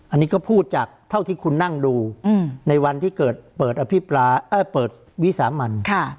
อันนี้ก็พูดจากเท่าที่คุณนั่งดูในวันที่เกิดเปิดวิสามัน